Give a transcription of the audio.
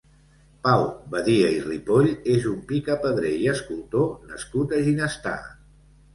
Pau Badia i Ripoll és un picapedrer i escultor nascut a Ginestar.